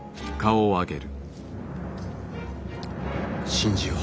信じよう。